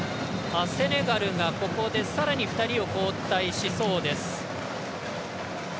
セネガルが、ここでさらに２人を交代しそうです。